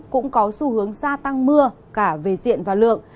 cũng có xu hướng gia tăng mưa cả về diện và lượng